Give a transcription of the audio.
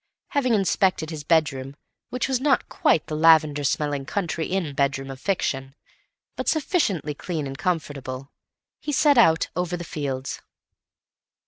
Having inspected his bedroom which was not quite the lavender smelling country inn bedroom of fiction, but sufficiently clean and comfortable, he set out over the fields.